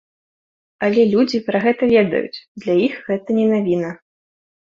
Але людзі пра гэта ведаюць, для іх гэта не навіна.